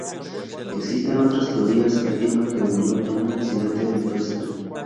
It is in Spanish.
Existen otras teorías que afirman que murió en un accidente ecuestre.